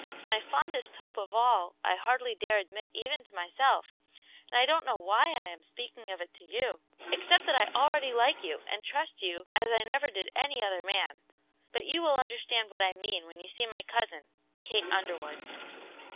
"My fondest hope of all I hardly dare admit even to myself, and I don't know why I am speaking of it to you, except that I already like you and trust you as I never did any other man; but you will understand what I mean when you see my cousin, Kate Underwood."